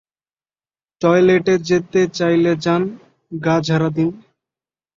টয়লেটে যেতে চাইলে যান, গা ঝাড়া দিন।